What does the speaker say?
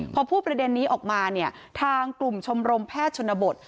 พอพูดประเด็นนี้ออกมาเนี่ยทางกลุ่มชมรมแพทย์ชนบท